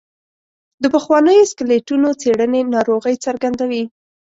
د پخوانیو سکلیټونو څېړنې ناروغۍ څرګندوي.